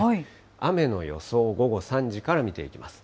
雨の予想を午後３時から見ていきます。